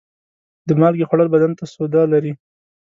د مالګې خوړل بدن ته سوده لري.